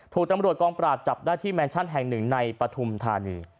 ถูกตำรวจกองปราบจับได้ที่แมนชั่นแห่งหนึ่งในปฐุมธานี